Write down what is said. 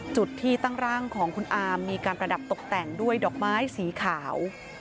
จุดที่ตั้งร่างของคุณอามมีการประดับตกแต่งด้วยดอกไม้สีขาว